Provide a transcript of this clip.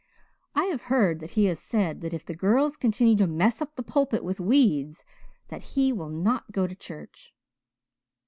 I have heard that he has said that if the girls continue to 'mess up the pulpit with weeds' that he will not go to church."